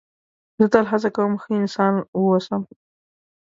زه تل هڅه کوم ښه انسان و اوسم.